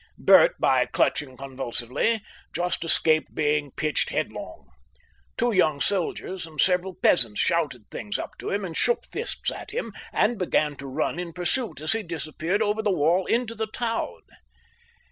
Bert, by clutching convulsively, just escaped being pitched headlong. Two young soldiers and several peasants shouted things up to him and shook fists at him and began to run in pursuit as he disappeared over the wall into the town.